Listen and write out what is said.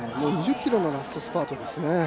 ２０ｋｍのラストスパートでしたね。